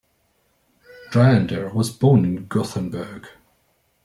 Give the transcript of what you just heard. Dryander was born in Gothenburg.